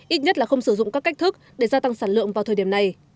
ít nhất là không sử dụng các cách thức để gia tăng sản lượng vào thời điểm này